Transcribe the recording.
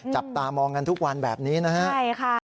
จับตามองกันทุกวันแบบนี้นะฮะ